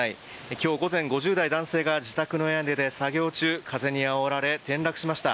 今日午前５０代男性が自宅の屋根で作業中風にあおられ転落しました。